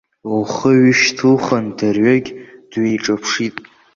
Лхы ҩышьҭылхын, дырҩегьых дҩеиҿаԥшит.